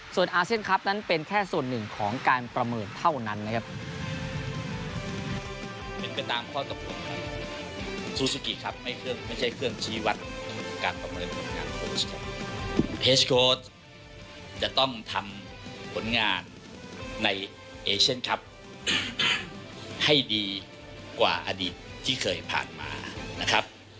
ส่วนอาเซียนคลับนั้นเป็นแค่ส่วนหนึ่งของการประเมินเท่านั้นนะครับ